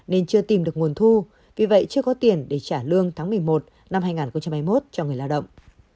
nên chưa tìm được nguồn thu vì vậy chưa có tiền để trả lương tháng một mươi một năm hai nghìn hai mươi một cho người lao động